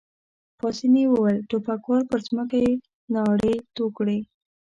پاسیني وویل: ټوپکوال، پر مځکه يې ناړې تو کړې.